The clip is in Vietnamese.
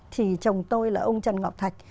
thì chồng tôi là ông trần ngọc thạch